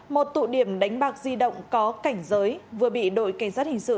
một tụ điểm đánh bạc di động có cảnh giới vừa bị đội cảnh sát hình sự